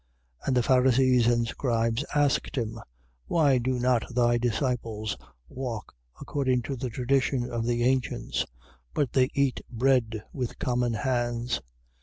7:5. And the Pharisees and scribes asked him: Why do not thy disciples walk according to the tradition of the ancients, but they eat bread with common hands?